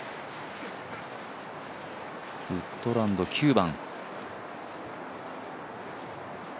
ウッドランド、９番。